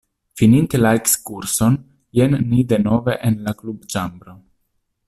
Fininte la ekskurson, jen ni denove en la klubĉambro.